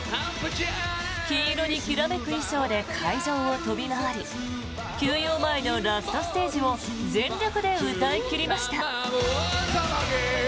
黄色にきらめく衣装で会場を飛び回り休養前のラストステージを全力で歌い切りました。